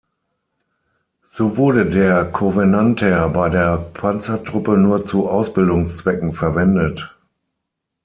So wurde der Covenanter bei der Panzertruppe nur zu Ausbildungszwecken verwendet.